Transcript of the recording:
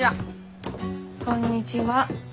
こんにちは。